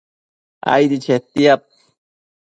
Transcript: aidi chetiad